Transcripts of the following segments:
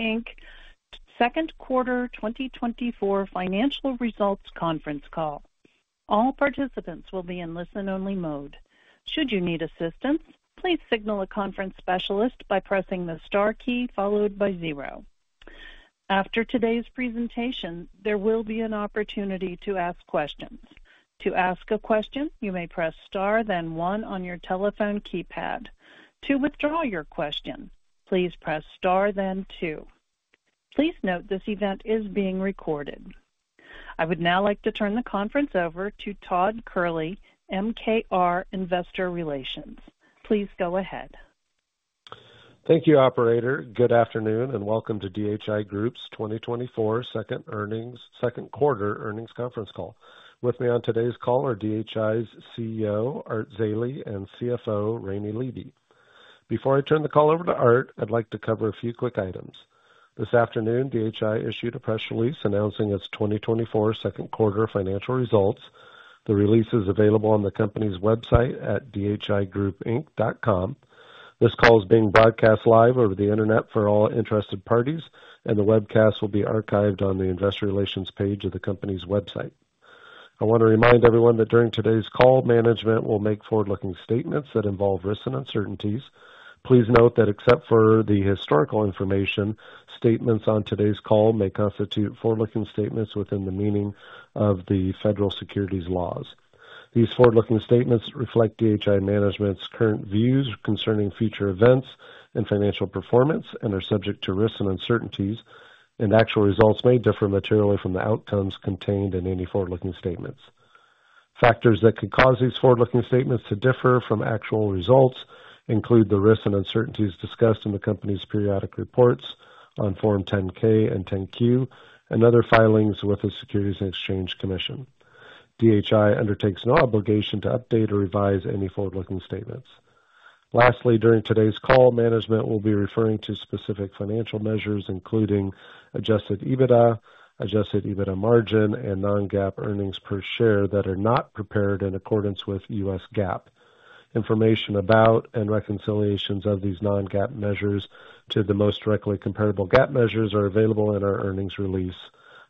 DHI Group, Inc. Q2 2024 financial results conference call. All participants will be in listen-only mode. Should you need assistance, please signal a conference specialist by pressing the star key followed by zero. After today's presentation, there will be an opportunity to ask questions. To ask a question, you may press Star, then one on your telephone keypad. To withdraw your question, please press Star, then two. Please note this event is being recorded. I would now like to turn the conference over to Todd Curley, MKR Investor Relations. Please go ahead. Thank you, operator. Good afternoon, and welcome to DHI Group's 2024 Q2 earnings conference call. With me on today's call are DHI's CEO, Art Zeile, and CFO, Raime Leeby. Before I turn the call over to Art, I'd like to cover a few quick items. This afternoon, DHI issued a press release announcing its 2024 Q2 financial results. The release is available on the company's website at dhigroupinc.com. This call is being broadcast live over the internet for all interested parties, and the webcast will be archived on the investor relations page of the company's website. I want to remind everyone that during today's call, management will make forward-looking statements that involve risks and uncertainties. Please note that except for the historical information, statements on today's call may constitute forward-looking statements within the meaning of the federal securities laws. These forward-looking statements reflect DHI Management's current views concerning future events and financial performance and are subject to risks and uncertainties, and actual results may differ materially from the outcomes contained in any forward-looking statements. Factors that could cause these forward-looking statements to differ from actual results include the risks and uncertainties discussed in the company's periodic reports on Form 10-K and 10-Q and other filings with the Securities and Exchange Commission. DHI undertakes no obligation to update or revise any forward-looking statements. Lastly, during today's call, management will be referring to specific financial measures, including Adjusted EBITDA, Adjusted EBITDA margin, and non-GAAP earnings per share that are not prepared in accordance with U.S. GAAP. Information about and reconciliations of these non-GAAP measures to the most directly comparable GAAP measures are available in our earnings release,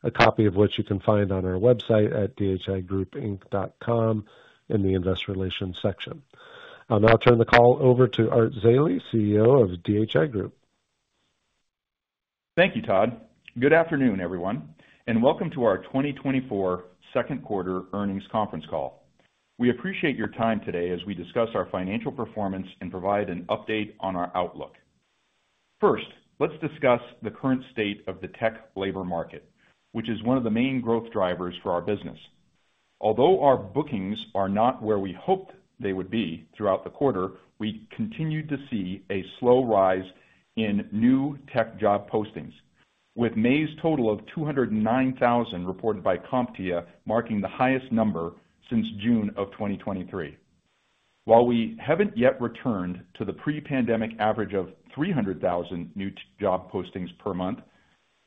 a copy of which you can find on our website at dhigroupinc.com in the Investor Relations section. I'll now turn the call over to Art Zeile, CEO of DHI Group. Thank you, Todd. Good afternoon, everyone, and welcome to our 2024 Q2 earnings conference call. We appreciate your time today as we discuss our financial performance and provide an update on our outlook. First, let's discuss the current state of the tech labor market, which is one of the main growth drivers for our business. Although our bookings are not where we hoped they would be throughout the quarter, we continued to see a slow rise in new tech job postings, with May's total of 209,000, reported by CompTIA, marking the highest number since June 2023. While we haven't yet returned to the pre-pandemic average of 300,000 new job postings per month,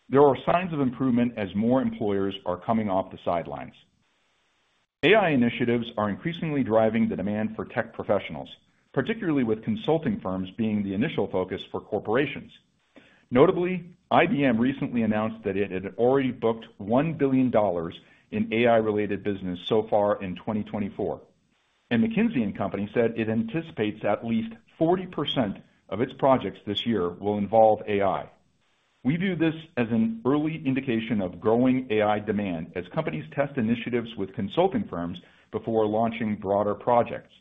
there are signs of improvement as more employers are coming off the sidelines. AI initiatives are increasingly driving the demand for tech professionals, particularly with consulting firms being the initial focus for corporations. Notably, IBM recently announced that it had already booked $1 billion in AI-related business so far in 2024, and McKinsey and Company said it anticipates at least 40% of its projects this year will involve AI. We view this as an early indication of growing AI demand as companies test initiatives with consulting firms before launching broader projects.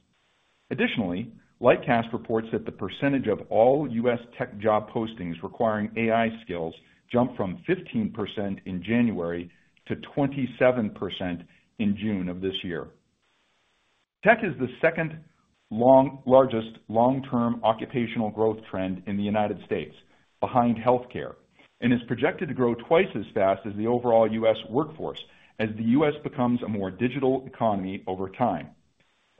Additionally, Lightcast reports that the percentage of all U.S. tech job postings requiring AI skills jumped from 15% in January to 27% in June of this year. Tech is the second-largest long-term occupational growth trend in the United States, behind healthcare, and is projected to grow twice as fast as the overall U.S. workforce as the U.S. becomes a more digital economy over time.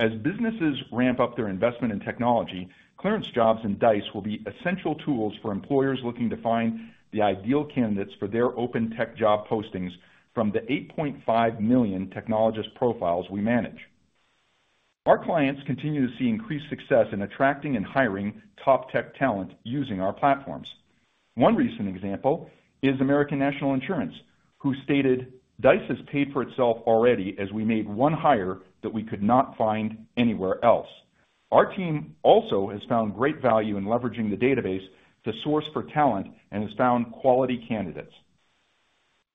As businesses ramp up their investment in technology, ClearanceJobs and Dice will be essential tools for employers looking to find the ideal candidates for their open tech job postings from the 8.5 million technologist profiles we manage. Our clients continue to see increased success in attracting and hiring top tech talent using our platforms. One recent example is American National Insurance, who stated, "Dice has paid for itself already as we made one hire that we could not find anywhere else." Our team also has found great value in leveraging the database to source for talent and has found quality candidates.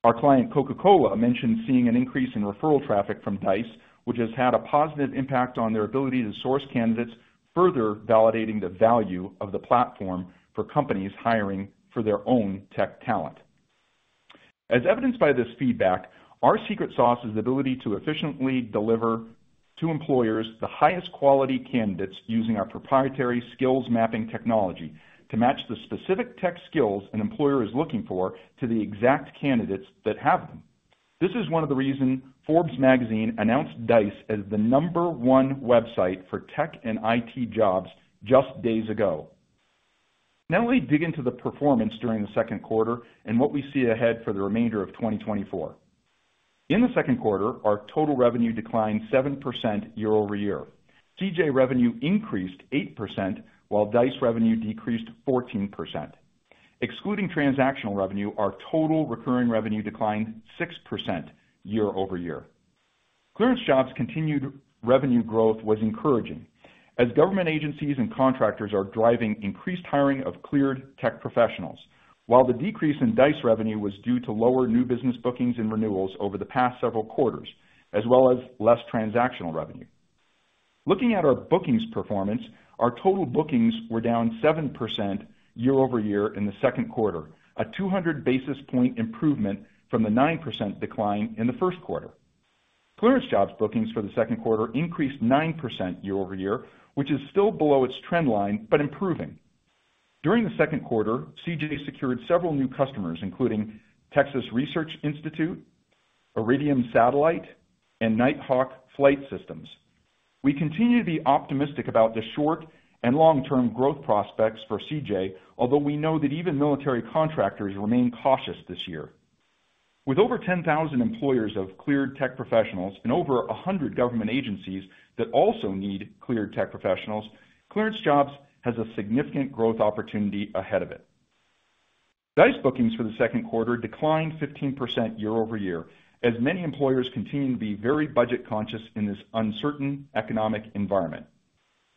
Our client, Coca-Cola, mentioned seeing an increase in referral traffic from Dice, which has had a positive impact on their ability to source candidates, further validating the value of the platform for companies hiring for their own tech talent. As evidenced by this feedback, our secret sauce is the ability to efficiently deliver to employers the highest quality candidates using our proprietary skills mapping technology to match the specific tech skills an employer is looking for to the exact candidates that have them. This is one of the reasons Forbes Magazine announced Dice as the number 1 website for tech and IT jobs just days ago. Now let me dig into the performance during the Q2 and what we see ahead for the remainder of 2024. In the Q2, our total revenue declined 7% year-over-year. CJ revenue increased 8%, while Dice revenue decreased 14%. Excluding transactional revenue, our total recurring revenue declined 6% year-over-year. ClearanceJobs' continued revenue growth was encouraging, as government agencies and contractors are driving increased hiring of cleared tech professionals, while the decrease in Dice revenue was due to lower new business bookings and renewals over the past several quarters, as well as less transactional revenue. Looking at our bookings performance, our total bookings were down 7% year-over-year in the Q2, a 200 basis point improvement from the 9% decline in the Q1. ClearanceJobs bookings for the Q2 increased 9% year-over-year, which is still below its trend line, but improving. During the Q2 CJ secured several new customers, including Texas Research Institute, Iridium Satellite, and Nighthawk Flight Systems. We continue to be optimistic about the short- and long-term growth prospects for CJ, although we know that even military contractors remain cautious this year. With over 10,000 employers of cleared tech professionals and over 100 government agencies that also need cleared tech professionals, ClearanceJobs has a significant growth opportunity ahead of it. Dice bookings for the Q2 declined 15% year-over-year, as many employers continue to be very budget-conscious in this uncertain economic environment.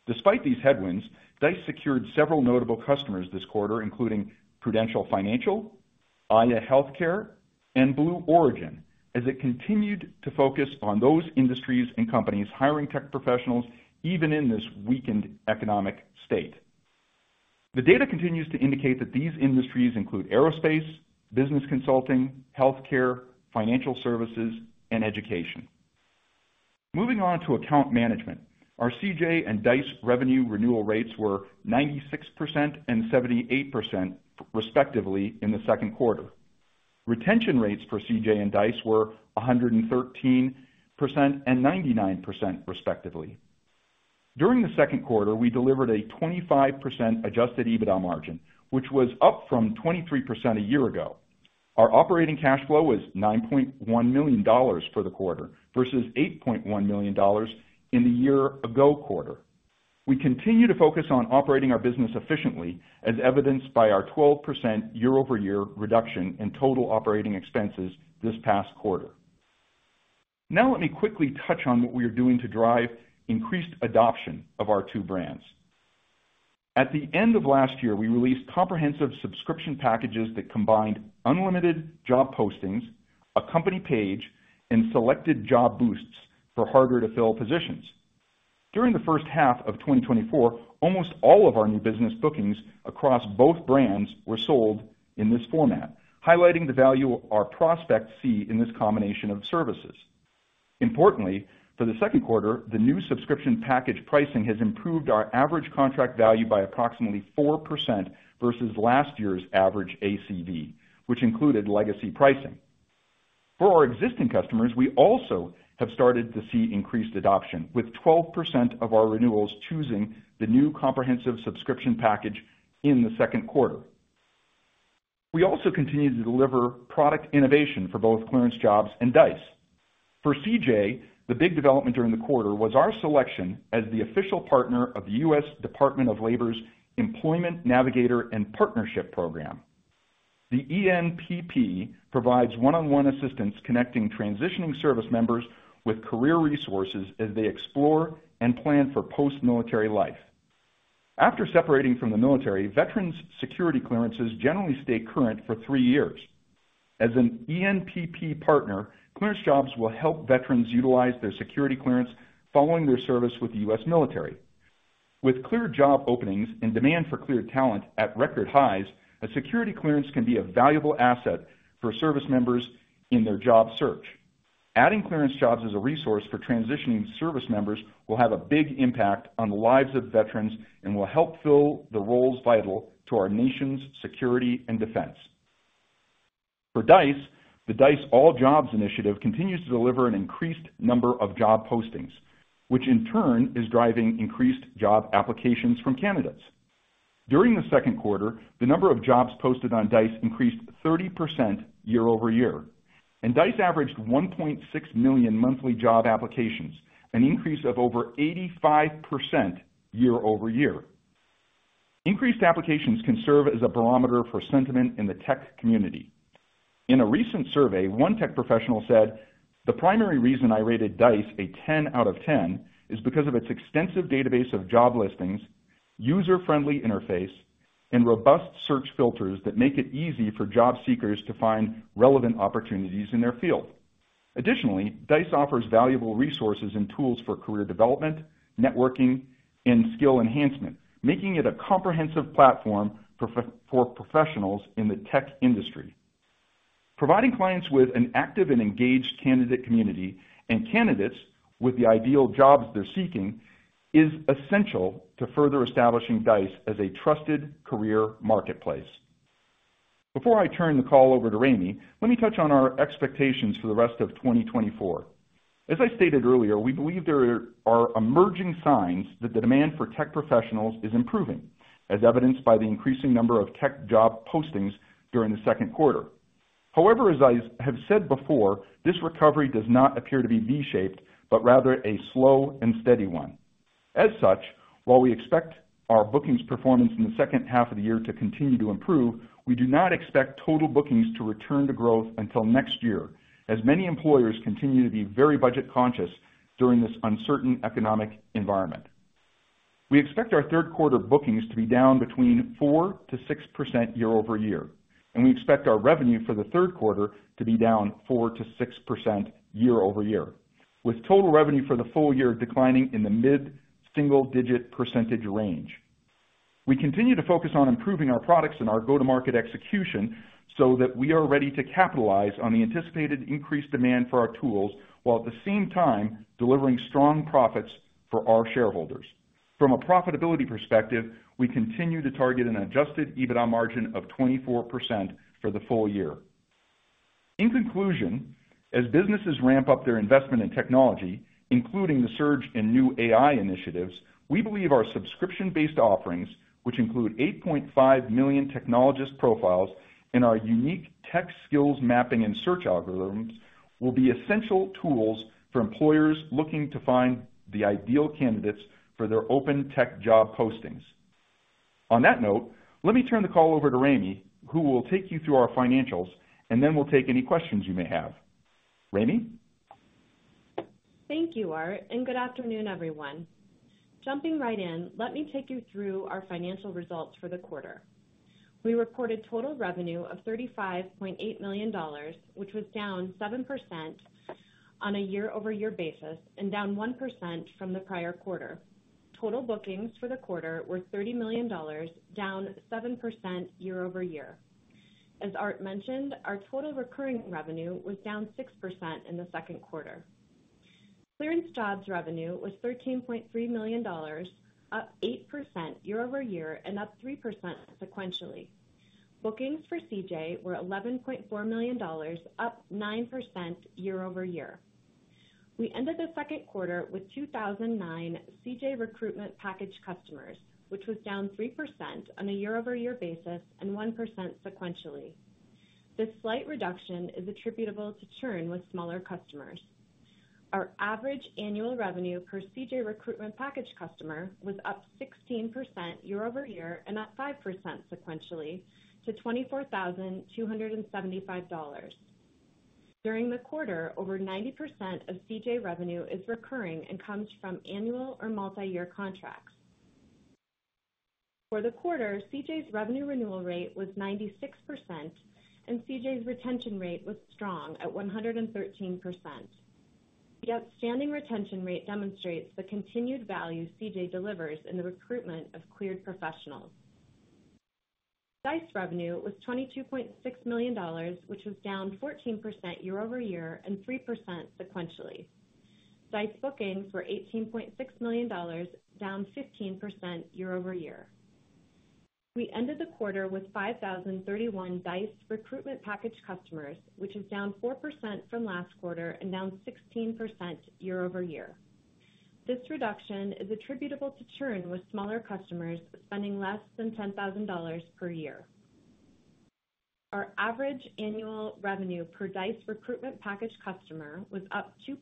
Despite these headwinds, Dice secured several notable customers this quarter, including Prudential Financial, Aya Healthcare, and Blue Origin, as it continued to focus on those industries and companies hiring tech professionals, even in this weakened economic state. The data continues to indicate that these industries include aerospace, business consulting, healthcare, financial services, and education. Moving on to account management. Our CJ and Dice revenue renewal rates were 96% and 78%, respectively, in the Q2. Retention rates for CJ and Dice were 113% and 99%, respectively. During the Q2, we delivered a 25% adjusted EBITDA margin, which was up from 23% a year ago. Our operating cash flow was $9.1 million for the quarter, versus $8.1 million in the year-ago quarter. We continue to focus on operating our business efficiently, as evidenced by our 12% year-over-year reduction in total operating expenses this past quarter. Now let me quickly touch on what we are doing to drive increased adoption of our two brands. At the end of last year, we released comprehensive subscription packages that combined unlimited job postings, a company page, and selected Job Boosts for harder-to-fill positions. During the H1 of 2024, almost all of our new business bookings across both brands were sold in this format, highlighting the value our prospects see in this combination of services. Importantly, for the Q2, the new subscription package pricing has improved our average contract value by approximately 4% versus last year's average ACV, which included legacy pricing. For our existing customers, we also have started to see increased adoption, with 12% of our renewals choosing the new comprehensive subscription package in the Q2. We also continue to deliver product innovation for both ClearanceJobs and Dice. For CJ, the big development during the quarter was our selection as the official partner of the U.S. Department of Labor's Employment Navigator and Partnership Program. The ENPP provides one-on-one assistance, connecting transitioning service members with career resources as they explore and plan for post-military life. After separating from the military, veterans' security clearances generally stay current for 3 years. As an ENPP partner, ClearanceJobs will help veterans utilize their security clearance following their service with the U.S. military. With cleared job openings and demand for cleared talent at record highs, a security clearance can be a valuable asset for service members in their job search. Adding ClearanceJobs as a resource for transitioning service members will have a big impact on the lives of veterans and will help fill the roles vital to our nation's security and defense. For Dice, the Dice All Jobs initiative continues to deliver an increased number of job postings, which in turn is driving increased job applications from candidates. During the Q2, the number of jobs posted on Dice increased 30% year-over-year, and Dice averaged 1.6 million monthly job applications, an increase of over 85% year-over-year. Increased applications can serve as a barometer for sentiment in the tech community. In a recent survey, one tech professional said, "The primary reason I rated Dice a 10 out of 10 is because of its extensive database of job listings, user-friendly interface, and robust search filters that make it easy for job seekers to find relevant opportunities in their field. Additionally, Dice offers valuable resources and tools for career development, networking, and skill enhancement, making it a comprehensive platform for professionals in the tech industry." Providing clients with an active and engaged candidate community, and candidates with the ideal jobs they're seeking, is essential to further establishing Dice as a trusted career marketplace. Before I turn the call over to Raime, let me touch on our expectations for the rest of 2024. As I stated earlier, we believe there are emerging signs that the demand for tech professionals is improving, as evidenced by the increasing number of tech job postings during the Q2. However, as I have said before, this recovery does not appear to be V-shaped, but rather a slow and steady one. As such, while we expect our bookings performance in the H2 of the year to continue to improve, we do not expect total bookings to return to growth until next year, as many employers continue to be very budget-conscious during this uncertain economic environment. We expect our Q3 bookings to be down between 4%-6% year-over-year, and we expect our revenue for the Q3 to be down 4%-6% year-over-year, with total revenue for the full year declining in the mid-single-digit percentage range. We continue to focus on improving our products and our go-to-market execution so that we are ready to capitalize on the anticipated increased demand for our tools, while at the same time delivering strong profits for our shareholders. From a profitability perspective, we continue to target an Adjusted EBITDA margin of 24% for the full year. In conclusion, as businesses ramp up their investment in technology, including the surge in new AI initiatives, we believe our subscription-based offerings, which include 8.5 million technologist profiles and our unique tech skills mapping and search algorithms, will be essential tools for employers looking to find the ideal candidates for their open tech job postings. On that note, let me turn the call over to Raime, who will take you through our financials, and then we'll take any questions you may have. Raime? Thank you, Art, and good afternoon, everyone. Jumping right in, let me take you through our financial results for the quarter. We reported total revenue of $35.8 million, which was down 7% on a year-over-year basis and down 1% from the prior quarter. Total bookings for the quarter were $30 million, down 7% year-over-year. As Art mentioned, our total recurring revenue was down 6% in the Q2. ClearanceJobs revenue was $13.3 million, up 8% year-over-year and up 3% sequentially. Bookings for CJ were $11.4 million, up 9% year-over-year. We ended the Q2 with 2,009 CJ Recruitment Package customers, which was down 3% on a year-over-year basis and 1% sequentially. This slight reduction is attributable to churn with smaller customers. Our average annual revenue per CJ Recruitment Package customer was up 16% year-over-year and up 5% sequentially to $24,275. During the quarter, over 90% of CJ revenue is recurring and comes from annual or multiyear contracts. For the quarter, CJ's revenue renewal rate was 96%, and CJ's retention rate was strong at 113%. The outstanding retention rate demonstrates the continued value CJ delivers in the recruitment of cleared professionals. Dice revenue was $22.6 million, which was down 14% year-over-year and 3% sequentially. Dice bookings were $18.6 million, down 15% year-over-year. We ended the quarter with 5,031 Dice Recruitment Package customers, which is down 4% from last quarter and down 16% year-over-year. This reduction is attributable to churn, with smaller customers spending less than $10,000 per year. Our average annual revenue per Dice Recruitment Package customer was up 2%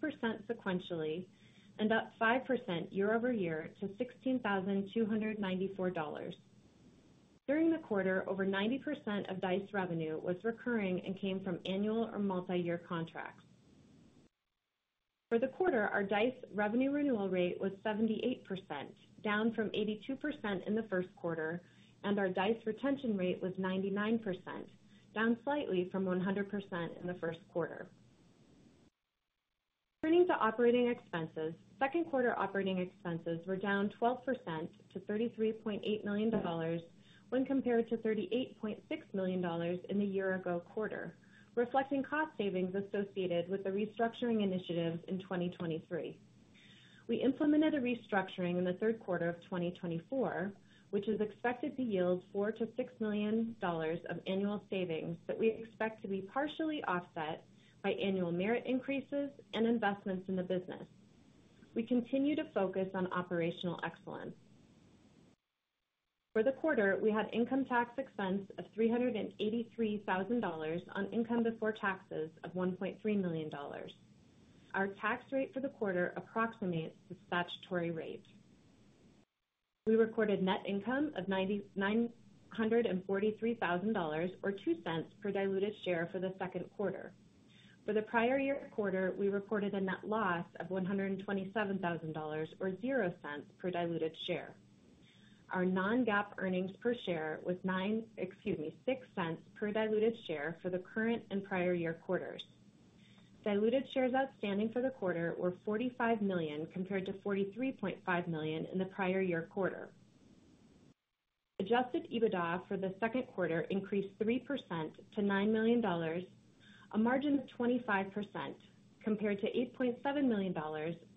sequentially and up 5% year-over-year to $16,294. During the quarter, over 90% of Dice revenue was recurring and came from annual or multiyear contracts. For the quarter, our Dice revenue renewal rate was 78%, down from 82% in the Q1, and our Dice retention rate was 99%, down slightly from 100% in the Q1. Turning to operating expenses. Q2 operating expenses were down 12% to $33.8 million when compared to $38.6 million in the year-ago quarter, reflecting cost savings associated with the restructuring initiatives in 2023. We implemented a restructuring in the Q3 of 2024, which is expected to yield $4 million-$6 million of annual savings that we expect to be partially offset by annual merit increases and investments in the business. We continue to focus on operational excellence. For the quarter, we had income tax expense of $383,000 on income before taxes of $1.3 million. Our tax rate for the quarter approximates the statutory rate. We recorded net income of $993,000, or $0.02 per diluted share for the Q2. For the prior year quarter, we reported a net loss of $127,000, or $0.00 per diluted share. Our non-GAAP earnings per share was—excuse me, $0.06 per diluted share for the current and prior year quarters. Diluted shares outstanding for the quarter were 45 million, compared to 43.5 million in the prior year quarter. Adjusted EBITDA for the Q2 increased 3% to $9 million, a margin of 25%, compared to $8.7 million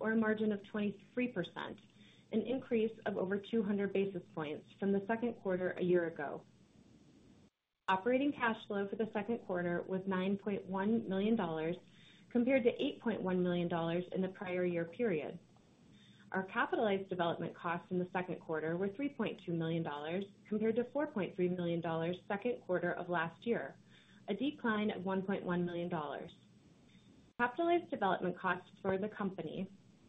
or a margin of 23%, an increase of over 200 basis points from the Q2 a year ago. Operating cash flow for the Q2 was $9.1 million, compared to $8.1 million in the prior year period. Our capitalized development costs in the Q2 were $3.2 million, compared to $4.3 million Q2 of last year, a decline of $1.1 million. Capitalized development costs for the company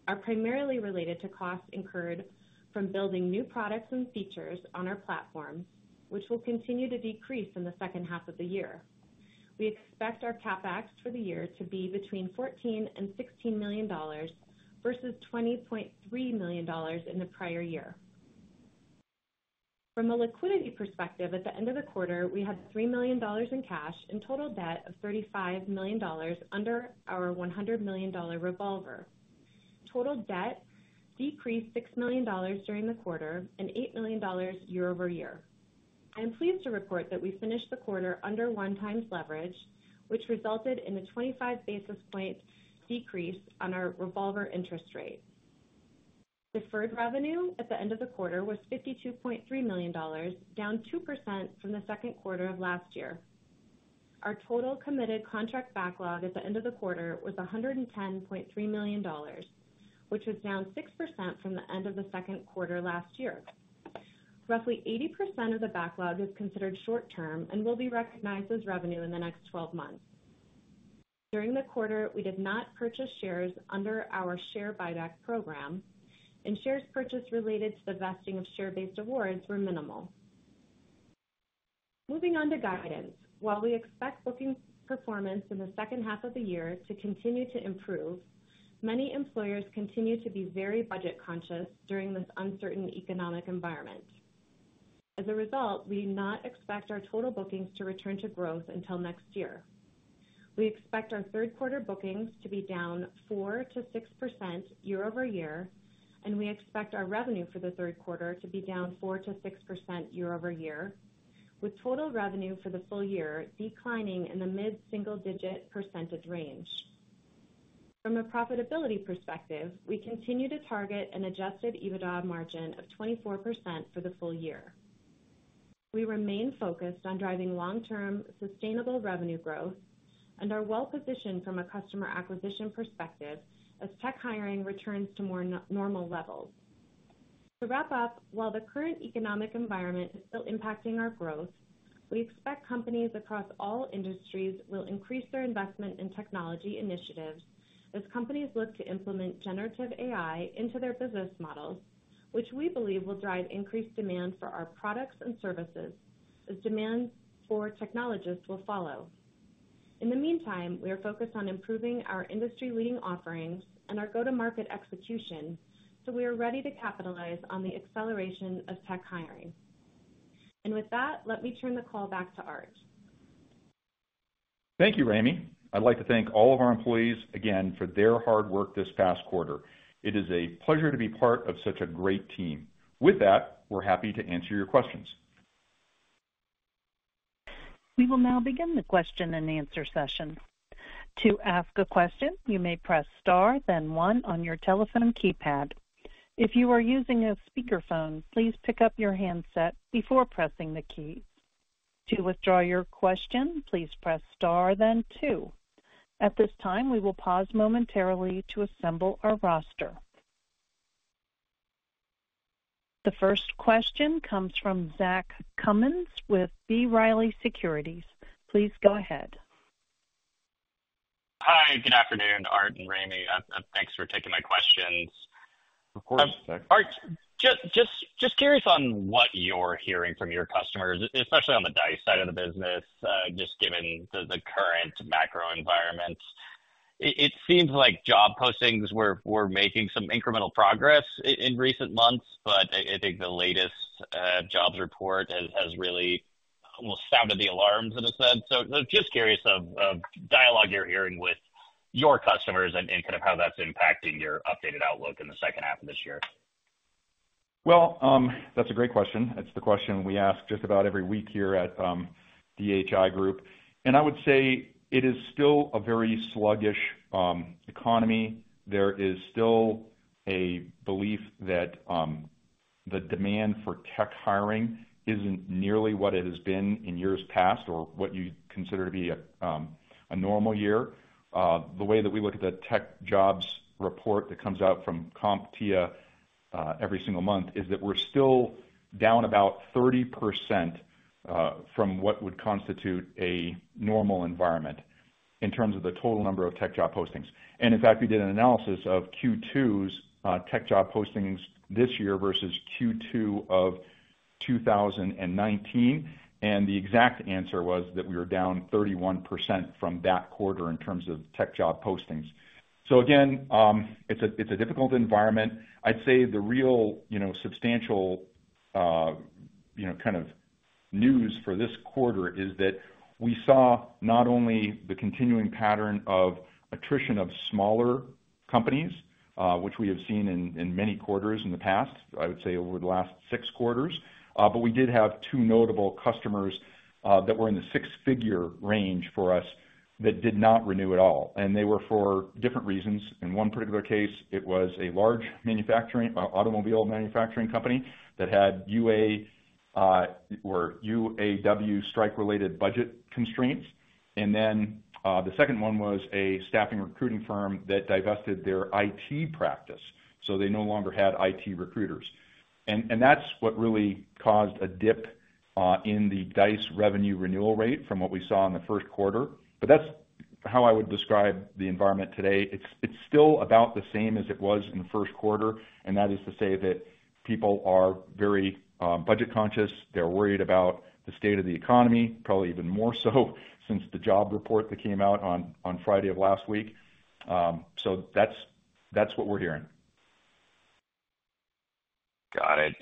are primarily related to costs incurred from building new products and features on our platform, which will continue to decrease in the H2 of the year. We expect our CapEx for the year to be between $14 million and $16 million versus $20.3 million in the prior year. From a liquidity perspective, at the end of the quarter, we had $3 million in cash and total debt of $35 million under our $100 million revolver. Total debt decreased $6 million during the quarter and $8 million year-over-year. I'm pleased to report that we finished the quarter under 1x leverage, which resulted in a 25 basis point decrease on our revolver interest rate. Deferred revenue at the end of the quarter was $52.3 million, down 2% from the Q2 of last year. Our total committed contract backlog at the end of the quarter was $110.3 million, which was down 6% from the end of the Q2 last year. Roughly 80% of the backlog is considered short term and will be recognized as revenue in the next twelve months. During the quarter, we did not purchase shares under our share buyback program, and shares purchased related to the vesting of share-based awards were minimal. Moving on to guidance. While we expect booking performance in the H2 of the year to continue to improve, many employers continue to be very budget conscious during this uncertain economic environment. As a result, we do not expect our total bookings to return to growth until next year. We expect our Q3 bookings to be down 4%-6% year-over-year, and we expect our revenue for the Q3 to be down 4%-6% year-over-year, with total revenue for the full year declining in the mid-single-digit percentage range. From a profitability perspective, we continue to target an Adjusted EBITDA margin of 24% for the full year. We remain focused on driving long-term, sustainable revenue growth and are well-positioned from a customer acquisition perspective as tech hiring returns to more normal levels. To wrap up, while the current economic environment is still impacting our growth, we expect companies across all industries will increase their investment in technology initiatives as companies look to implement generative AI into their business models, which we believe will drive increased demand for our products and services, as demand for technologists will follow. In the meantime, we are focused on improving our industry-leading offerings and our go-to-market execution, so we are ready to capitalize on the acceleration of tech hiring. And with that, let me turn the call back to Art. Thank you, Raime. I'd like to thank all of our employees again for their hard work this past quarter. It is a pleasure to be part of such a great team. With that, we're happy to answer your questions. We will now begin the question-and-answer session. To ask a question, you may press star, then one on your telephone keypad. If you are using a speakerphone, please pick up your handset before pressing the key. To withdraw your question, please press star then two. At this time, we will pause momentarily to assemble our roster. The first question comes from Zach Cummins with B. Riley Securities. Please go ahead. Hi, good afternoon, Art and Raime. Thanks for taking my questions. Of course, Zach. Art, just curious on what you're hearing from your customers, especially on the Dice side of the business, just given the current macro environment. It seems like job postings were making some incremental progress in recent months, but I think the latest jobs report has really almost sounded the alarms, in a sense. So just curious of dialogue you're hearing with your customers and kind of how that's impacting your updated outlook in the H2 of this year. Well, that's a great question. It's the question we ask just about every week here at, DHI Group. I would say it is still a very sluggish, economy. There is still a belief that, the demand for tech hiring isn't nearly what it has been in years past or what you'd consider to be a, a normal year. The way that we look at the tech jobs report that comes out from CompTIA, every single month is that we're still down about 30%, from what would constitute a normal environment in terms of the total number of tech job postings. In fact, we did an analysis of Q2's tech job postings this year versus Q2 of 2019, and the exact answer was that we were down 31% from that quarter in terms of tech job postings. So again, it's a difficult environment. I'd say the real, you know, substantial, you know, kind of news for this quarter is that we saw not only the continuing pattern of attrition of smaller companies, which we have seen in many quarters in the past, I would say over the last six quarters, but we did have two notable customers that were in the six-figure range for us that did not renew at all, and they were for different reasons. In one particular case, it was a large manufacturing automobile manufacturing company that had UAW strike-related budget constraints. And then, the second one was a staffing recruiting firm that divested their IT practice, so they no longer had IT recruiters. And that's what really caused a dip in the Dice revenue renewal rate from what we saw in the Q1. But that's how I would describe the environment today. It's still about the same as it was in the Q1, and that is to say that people are very budget conscious. They're worried about the state of the economy, probably even more so since the job report that came out on Friday of last week. So that's what we're hearing. Got it.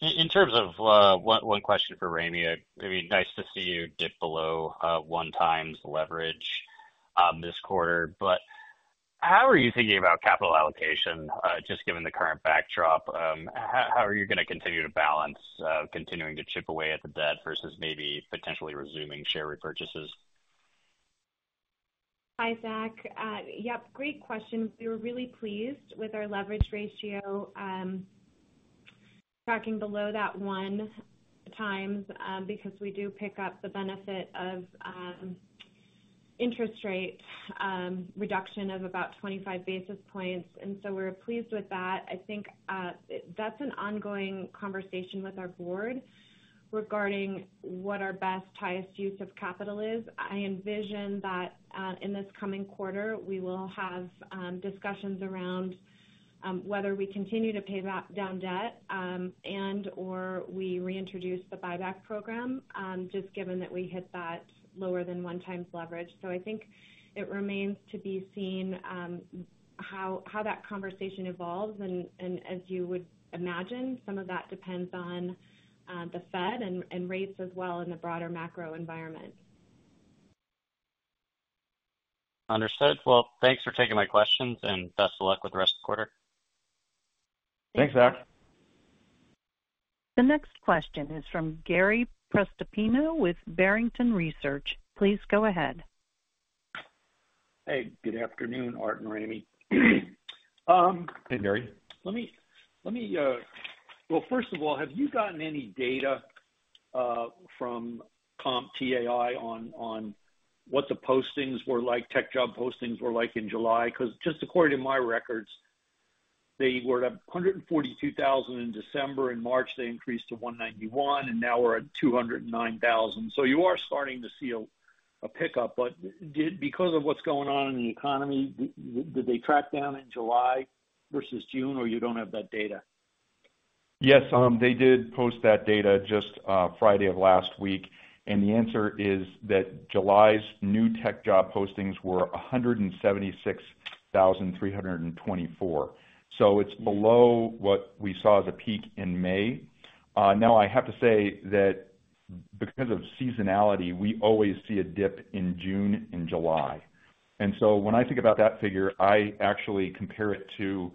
In terms of 1 question for Raime. I mean, nice to see you dip below 1 times leverage this quarter, but how are you thinking about capital allocation just given the current backdrop? How are you gonna continue to balance continuing to chip away at the debt versus maybe potentially resuming share repurchases? Hi, Zach. Yep, great question. We were really pleased with our leverage ratio, tracking below that 1x, because we do pick up the benefit of interest rate reduction of about 25 basis points, and so we're pleased with that. I think that's an ongoing conversation with our board regarding what our best highest use of capital is. I envision that in this coming quarter, we will have discussions around whether we continue to pay back down debt, and/or we reintroduce the buyback program, just given that we hit that lower than 1x leverage. So I think it remains to be seen how that conversation evolves. And as you would imagine, some of that depends on the Fed and rates as well in the broader macro environment. Understood. Well, thanks for taking my questions, and best of luck with the rest of the quarter. Thanks, Zach. The next question is from Gary Prestopino with Barrington Research. Please go ahead. Hey, good afternoon, Art and Raime. Hey, Gary. Let me... Well, first of all, have you gotten any data from CompTIA on what the postings were like, tech job postings were like in July? 'Cause just according to my records, they were at 142,000 in December. In March, they increased to 191,000, and now we're at 209,000. So you are starting to see a pickup, but did—because of what's going on in the economy, did they go down in July versus June, or you don't have that data? Yes, they did post that data just Friday of last week, and the answer is that July's new tech job postings were 176,324. So it's below what we saw as a peak in May. Now I have to say that because of seasonality, we always see a dip in June and July. And so when I think about that figure, I actually compare it to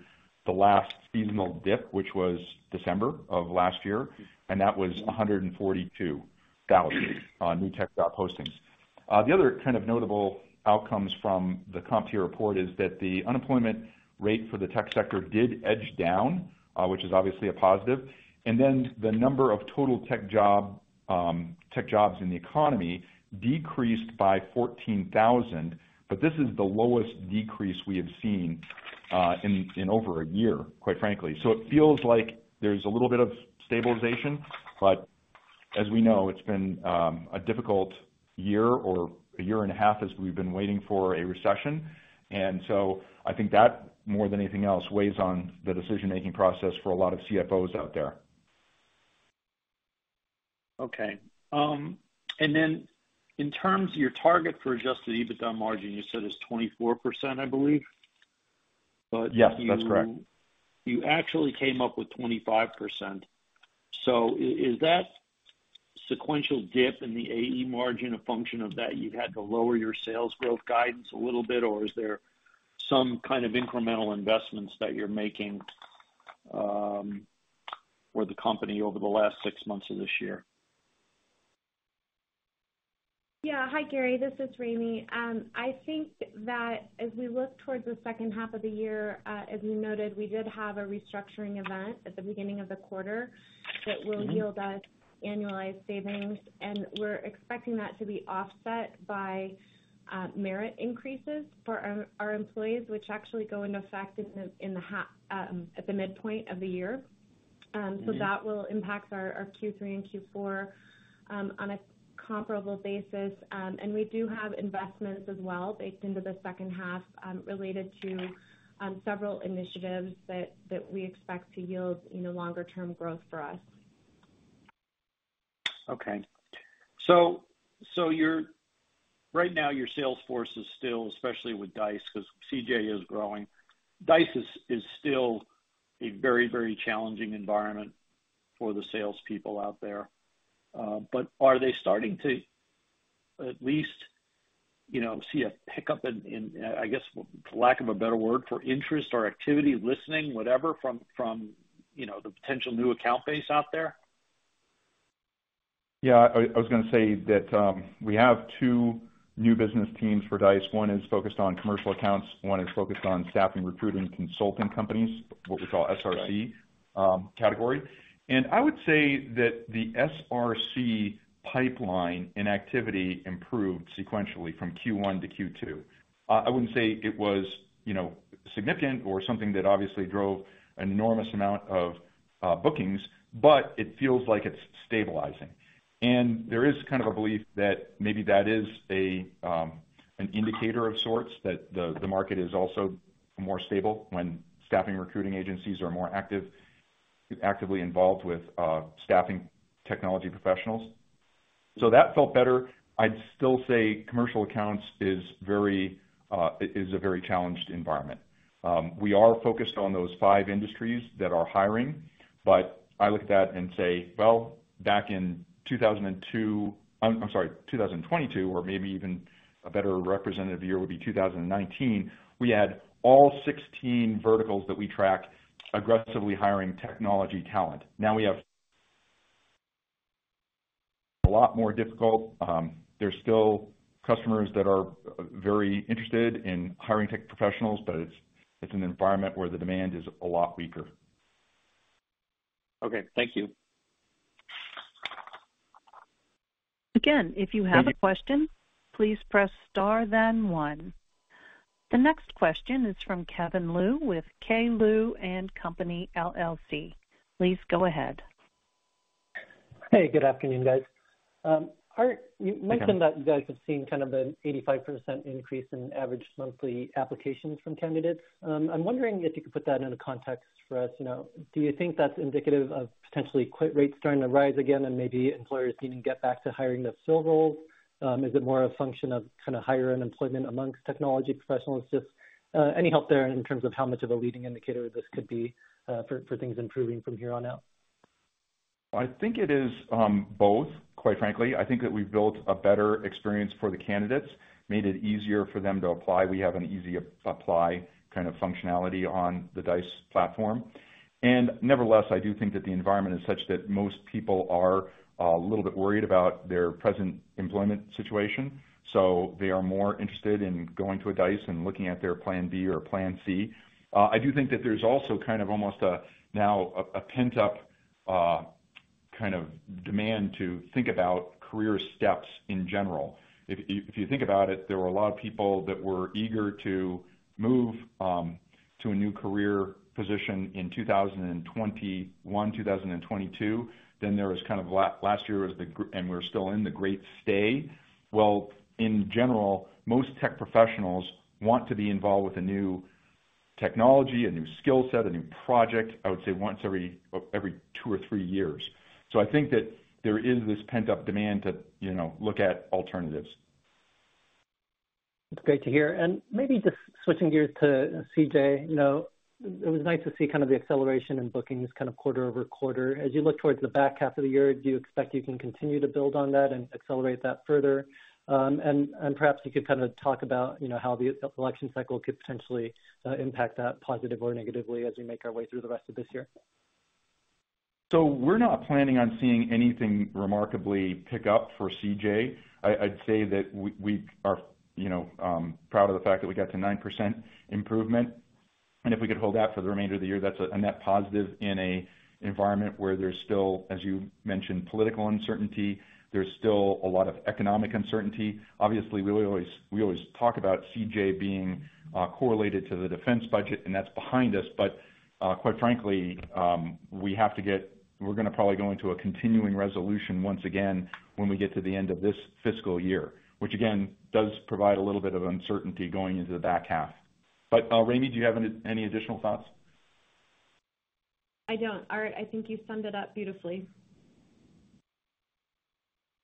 the last seasonal dip, which was December of last year, and that was 142,000 new tech job postings. The other kind of notable outcomes from the CompTIA report is that the unemployment rate for the tech sector did edge down, which is obviously a positive. Then the number of total tech jobs in the economy decreased by 14,000, but this is the lowest decrease we have seen in over a year, quite frankly. So it feels like there's a little bit of stabilization, but as we know, it's been a difficult year or a year and a half as we've been waiting for a recession. And so I think that, more than anything else, weighs on the decision-making process for a lot of CFOs out there. Okay. And then in terms of your target for Adjusted EBITDA margin, you said it's 24%, I believe? Yes, that's correct. But you, you actually came up with 25%. So is that sequential dip in the Adjusted EBITDA margin a function of that you've had to lower your sales growth guidance a little bit, or is there some kind of incremental investments that you're making for the company over the last six months of this year? Yeah. Hi, Gary, this is Raime. I think that as we look towards the H2 of the year, as you noted, we did have a restructuring event at the beginning of the quarter that will yield us annualized savings, and we're expecting that to be offset by merit increases for our, our employees, which actually go into effect in the, in the half, at the midpoint of the year. So that will impact our, our Q3 and Q4, on a comparable basis. And we do have investments as well, baked into the H2, related to several initiatives that, that we expect to yield, you know, longer term growth for us. Okay. So, so you're—right now, your sales force is still, especially with Dice, because CJ is growing. Dice is still a very, very challenging environment for the salespeople out there. But are they starting to at least, you know, see a pickup in, in, I guess, lack of a better word, for interest or activity, listening, whatever, from, from, you know, the potential new account base out there?... Yeah, I was going to say that, we have two new business teams for Dice. One is focused on commercial accounts, one is focused on staffing, recruiting, consulting companies, what we call SRC category. And I would say that the SRC pipeline and activity improved sequentially from Q1 to Q2. I wouldn't say it was, you know, significant or something that obviously drove an enormous amount of bookings, but it feels like it's stabilizing. And there is kind of a belief that maybe that is an indicator of sorts, that the market is also more stable when staffing recruiting agencies are more actively involved with staffing technology professionals. So that felt better. I'd still say commercial accounts is a very challenged environment. We are focused on those five industries that are hiring, but I look at that and say, well, back in 2002 - I'm, I'm sorry, 2022, or maybe even a better representative year, would be 2019, we had all 16 verticals that we track aggressively hiring technology talent. Now we have a lot more difficult. There's still customers that are very interested in hiring tech professionals, but it's, it's an environment where the demand is a lot weaker. Okay, thank you. Again, if you have a question, please press Star, then one. The next question is from Kevin Liu with K. Liu & Company, LLC. Please go ahead. Hey, good afternoon, guys. Art, you mentioned that you guys have seen kind of an 85% increase in average monthly applications from candidates. I'm wondering if you could put that into context for us. You know, do you think that's indicative of potentially quit rates starting to rise again, and maybe employers needing to get back to hiring to fill roles? Is it more a function of kind of higher unemployment amongst technology professionals? Just any help there in terms of how much of a leading indicator this could be for things improving from here on out? I think it is both. Quite frankly, I think that we've built a better experience for the candidates, made it easier for them to apply. We have an Easy Apply kind of functionality on the Dice platform. And nevertheless, I do think that the environment is such that most people are a little bit worried about their present employment situation, so they are more interested in going to a Dice and looking at their plan B or plan C. I do think that there's also kind of almost a pent-up kind of demand to think about career steps in general. If you think about it, there were a lot of people that were eager to move to a new career position in 2021, 2022. Then there was kind of last year was the, and we're still in, the great stay. Well, in general, most tech professionals want to be involved with a new technology, a new skill set, a new project, I would say once every two or three years. So I think that there is this pent-up demand to, you know, look at alternatives. It's great to hear. And maybe just switching gears to CJ, you know, it was nice to see kind of the acceleration in bookings kind of quarter-over-quarter. As you look towards the back half of the year, do you expect you can continue to build on that and accelerate that further? And perhaps you could kind of talk about, you know, how the election cycle could potentially impact that, positively or negatively, as we make our way through the rest of this year. So we're not planning on seeing anything remarkably pick up for CJ. I'd say that we are, you know, proud of the fact that we got to 9% improvement, and if we could hold that for the remainder of the year, that's a net positive in an environment where there's still, as you mentioned, political uncertainty. There's still a lot of economic uncertainty. Obviously, we always talk about CJ being correlated to the defense budget, and that's behind us. But, quite frankly, we have to get - we're gonna probably go into a continuing resolution once again when we get to the end of this fiscal year, which, again, does provide a little bit of uncertainty going into the back half. But, Raime, do you have any additional thoughts? I don't. Art, I think you summed it up beautifully.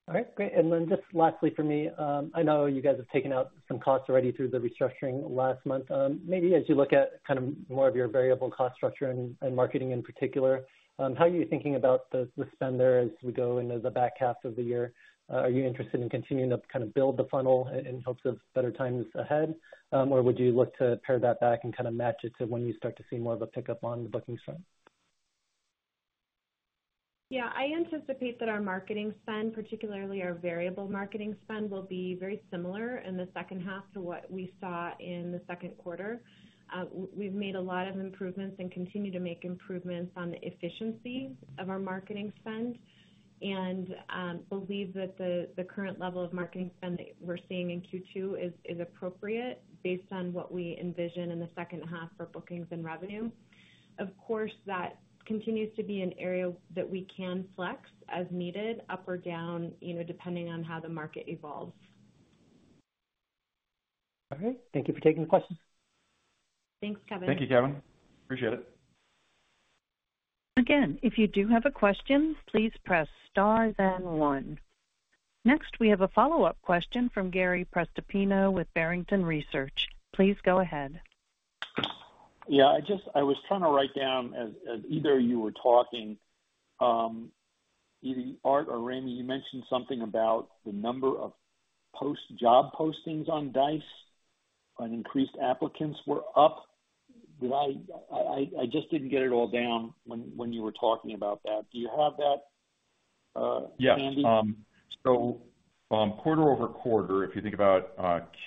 All right, great. Then just lastly for me, I know you guys have taken out some costs already through the restructuring last month. Maybe as you look at kind of more of your variable cost structure and marketing in particular, how are you thinking about the spend there as we go into the back half of the year? Are you interested in continuing to kind of build the funnel in hopes of better times ahead? Or would you look to pare that back and kind of match it to when you start to see more of a pickup on the booking front? Yeah. I anticipate that our marketing spend, particularly our variable marketing spend, will be very similar in the H2 to what we saw in the Q2. We've made a lot of improvements and continue to make improvements on the efficiency of our marketing spend, and believe that the current level of marketing spend that we're seeing in Q2 is appropriate based on what we envision in the H2 for bookings and revenue. Of course, that continues to be an area that we can flex as needed, up or down, you know, depending on how the market evolves. Okay, thank you for taking the question. Thanks, Kevin. Thank you, Kevin. Appreciate it. Again, if you do have a question, please press Star, then one. Next, we have a follow-up question from Gary Prestopino with Barrington Research. Please go ahead. Yeah, I just... I was trying to write down as either of you were talking, either Art or Raime, you mentioned something about the number of posted job postings on Dice... and increased applicants were up. Did I just didn't get it all down when you were talking about that. Do you have that handy? Yes. So, quarter-over-quarter, if you think about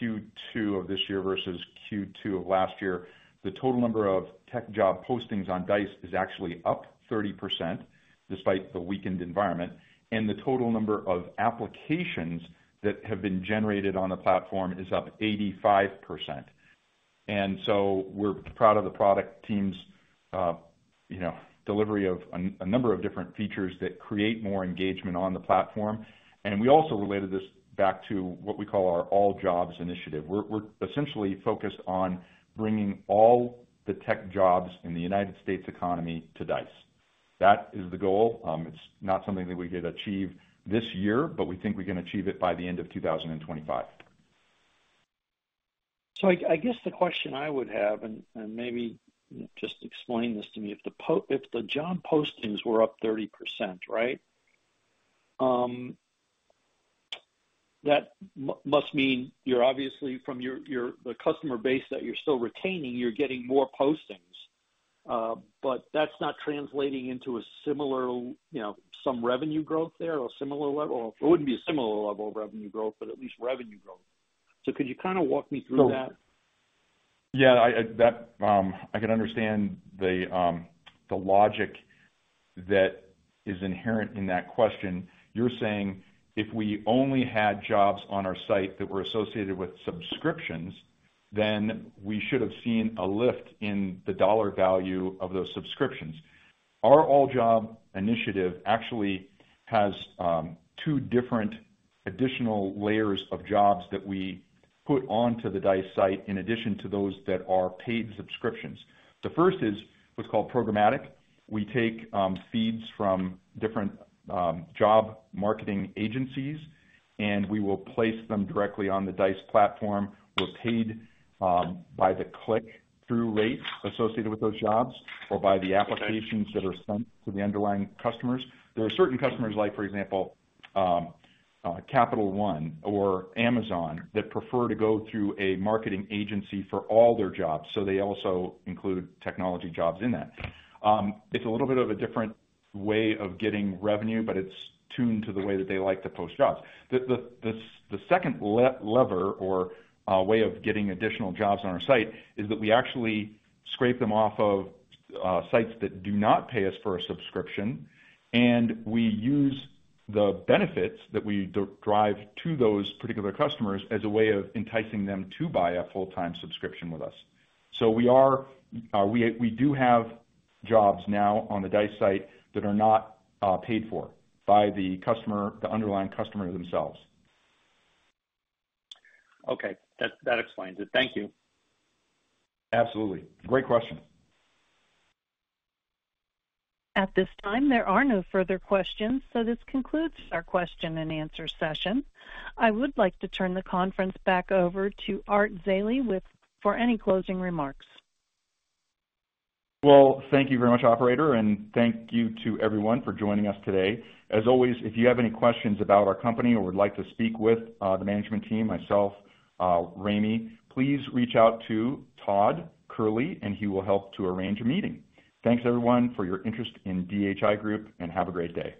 Q2 of this year versus Q2 of last year, the total number of tech job postings on Dice is actually up 30% despite the weakened environment, and the total number of applications that have been generated on the platform is up 85%. And so we're proud of the product teams', you know, delivery of a number of different features that create more engagement on the platform. And we also related this back to what we call our All Jobs initiative. We're essentially focused on bringing all the tech jobs in the United States economy to Dice. That is the goal. It's not something that we could achieve this year, but we think we can achieve it by the end of 2025. So I guess the question I would have, and maybe just explain this to me, if the job postings were up 30%, right? That must mean you're obviously, from the customer base that you're still retaining, you're getting more postings. But that's not translating into a similar, you know, some revenue growth there or a similar level? Or it wouldn't be a similar level of revenue growth, but at least revenue growth. So could you kinda walk me through that? Yeah, I can understand the logic that is inherent in that question. You're saying if we only had jobs on our site that were associated with subscriptions, then we should have seen a lift in the dollar value of those subscriptions. Our All Job initiative actually has two different additional layers of jobs that we put onto the Dice site in addition to those that are paid subscriptions. The first is what's called programmatic. We take feeds from different job marketing agencies, and we will place them directly on the Dice platform. We're paid by the click-through rate associated with those jobs or by the applications that are sent to the underlying customers. There are certain customers like, for example, Capital One or Amazon, that prefer to go through a marketing agency for all their jobs, so they also include technology jobs in that. It's a little bit of a different way of getting revenue, but it's tuned to the way that they like to post jobs. The second lever or way of getting additional jobs on our site is that we actually scrape them off of sites that do not pay us for a subscription, and we use the benefits that we drive to those particular customers as a way of enticing them to buy a full-time subscription with us. So we do have jobs now on the Dice site that are not paid for by the customer, the underlying customer themselves. Okay. That, that explains it. Thank you. Absolutely. Great question. At this time, there are no further questions, so this concludes our question and answer session. I would like to turn the conference back over to Art Zeile for any closing remarks. Well, thank you very much, operator, and thank you to everyone for joining us today. As always, if you have any questions about our company or would like to speak with the management team, myself, Raime, please reach out to Todd Curley, and he will help to arrange a meeting. Thanks, everyone, for your interest in DHI Group, and have a great day.